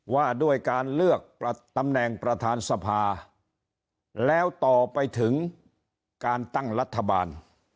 ว่าด้วยการเลือกตำแหน่งประธานสภาแล้วต่อไปถึงการตั้งรัฐบาล